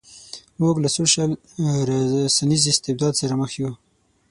موږ له سوشل رسنیز استبداد سره مخ یو.